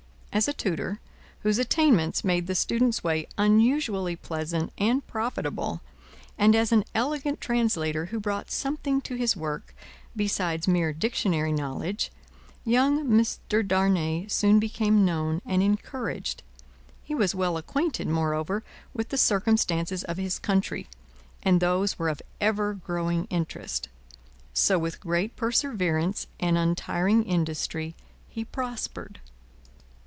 As a tutor, whose attainments made the student's way unusually pleasant and profitable, and as an elegant translator who brought something to his work besides mere dictionary knowledge, young Mr. Darnay soon became known and encouraged. He was well acquainted, more over, with the circumstances of his country, and those were of ever growing interest. So, with great perseverance and untiring industry, he prospered.